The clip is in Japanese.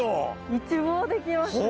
一望できますね。